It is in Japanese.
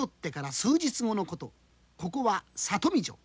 ここは里見城。